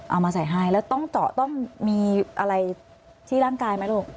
เอามาใส่ให้แล้วต้องเจาะต้องมีอะไรที่ร่างกายไหมลูก